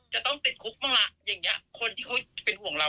จะต้องติดคุกบังแหละคนที่เค้าเป็นห่วงเรา